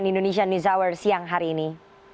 cnn indonesia news hour siang hari ini